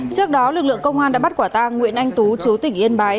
trước đó lực lượng công an đã bắt quả tang nguyễn anh tú chú tỉnh yên bái